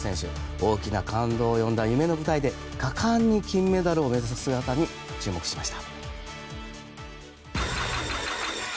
大きな感動を呼んだ夢の舞台で果敢に金メダルを目指す姿に注目しました。